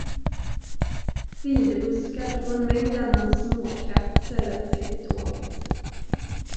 Videbuskar och en mängd annat småkratt sällade sig till tåget.